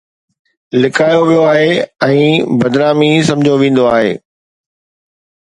لڪايو ويو آهي ۽ هڪ بدنامي سمجهيو ويندو آهي